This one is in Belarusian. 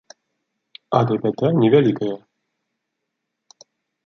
Але бяда не вялікая.